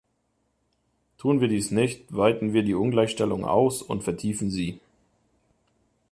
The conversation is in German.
Tun wir dies nicht, weiten wir die Ungleichstellung aus und vertiefen sie.